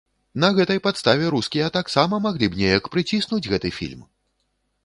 На гэтай падставе рускія таксама маглі б неяк прыціснуць гэты фільм!